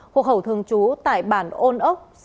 hộp hậu thường trú tại bản ôn ốc